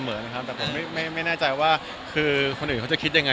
ผมว่าผมให้เกียจผู้หญิงเสมอนะครับแต่ผมไม่น่าใจว่าคือคนอื่นเขาจะคิดยังไง